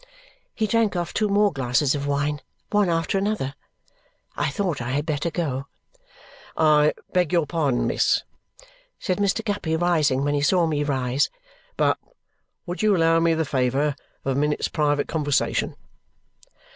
He drank off two more glasses of wine, one after another. I thought I had better go. "I beg your pardon, miss!" said Mr. Guppy, rising when he saw me rise. "But would you allow me the favour of a minute's private conversation?"